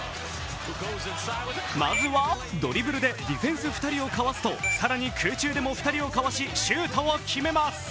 まずはドリブルでディフェンス２人をかわすと更に空中でも２人をかわしシュートを決めます。